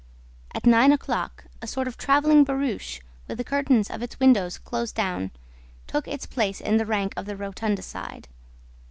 At nine o'clock, a sort of traveling barouche with the curtains of its windows close down, took its place in the rank on the Rotunda side.